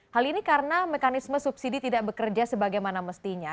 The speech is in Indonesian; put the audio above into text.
hal ini karena mekanisme subsidi tidak bekerja sebagaimana mestinya